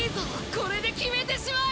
これで決めてしまえ！